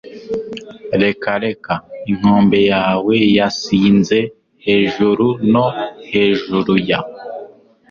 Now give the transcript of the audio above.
reka reka inkombe yawe yasinze hejuruno hejuru ya